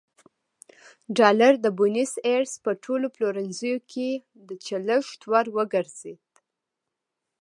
ډالر د بونیس ایرس په ټولو پلورنځیو کې چلښت وړ وګرځېد.